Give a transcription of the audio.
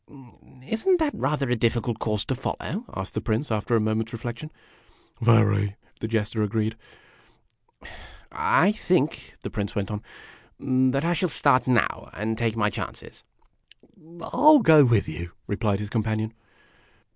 " Is n't that rather a difficult course to follow ?" asked the Prince, after a moment's reflection. " Very," the Jester agreed. " I think," the Prince went on, "that I shall start now, and take my chances." "I '11 go with you," replied his companion.